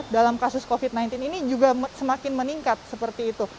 dalam kasus covid sembilan belas ini juga semakin meningkat seperti itu